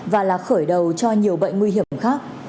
và là khởi đầu cho nhiều bệnh nguy hiểm khác